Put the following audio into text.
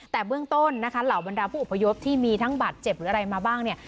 แต่เบื้องต้นนะคะเหล่าบรรดาผู้อพยพที่มีทั้งบาดเจ็บหรืออะไรมาบ้างเนี่ย